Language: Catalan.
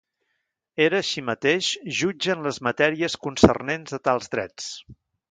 Era així mateix jutge en les matèries concernents a tals drets.